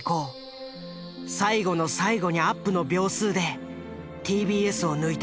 最後の最後にアップの秒数でＴＢＳを抜いた。